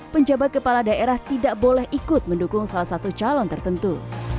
penjabat kepala daerah tidak boleh ikut mendukung salah satu calon tertentu